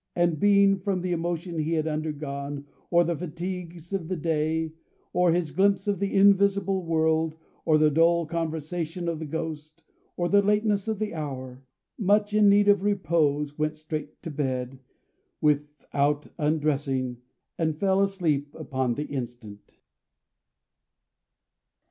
And being, from the emotion he had undergone, or the fatigues of the day, or his glimpse of the Invisible World, or the dull conversation of the Ghost, or the lateness of the hour, much in need of repose, went straight to bed, without undressing, and fell asleep upon the instant.